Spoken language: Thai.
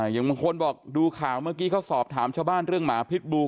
อย่างบางคนบอกดูข่าวเมื่อกี้เขาสอบถามชาวบ้านเรื่องหมาพิษบู